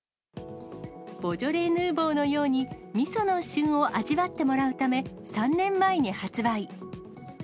ボージョレ・ヌーボーのように、みその旬を味わってもらうため、３年前に発売。